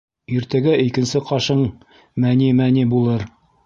Иртәгә икенсе ҡашың мәни-мәни булыр.